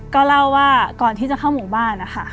ก็เล่าว่าก่อนที่จะเข้าหมู่บ้านนะคะ